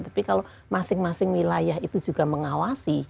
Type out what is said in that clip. tapi kalau masing masing wilayah itu juga mengawasi